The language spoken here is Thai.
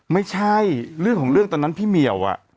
ไม่ใช่เรื่องของเรื่องตอนนั้นพี่เหมียว